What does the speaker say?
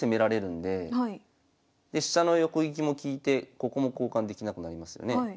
で飛車の横利きも利いてここも交換できなくなりますよね。